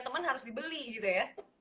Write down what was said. teman harus dibeli gitu ya